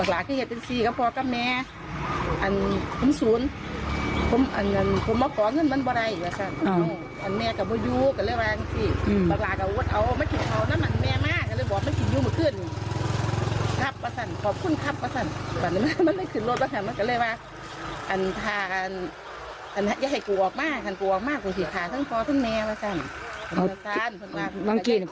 ลองกินก่อนจะไปนี่